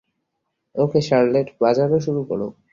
ওকে Charlotte, বাজানো শুরু করো।